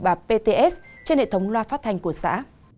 và pts trên hệ thống loa phát thanh của xã